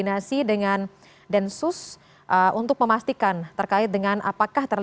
jalan proklamasi jakarta pusat